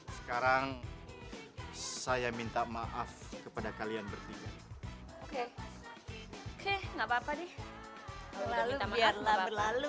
sekarang saya minta maaf kepada kalian bertiga oke oke enggak apa apa di lalu biarlah berlalu